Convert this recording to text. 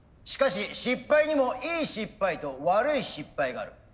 しかし失敗にもいい失敗と悪い失敗がある。